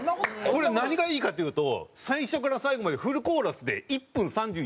これ何がいいかっていうと最初から最後までフルコーラスで１分３１秒しかないんです。